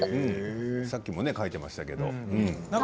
さっきも書いていましたね。